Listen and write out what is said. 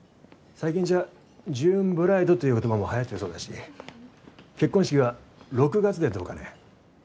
最近じゃジューンブライドという言葉もはやってるそうだし結婚式は６月でどうかね？